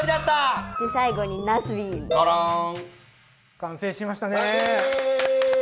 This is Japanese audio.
完成しましたね！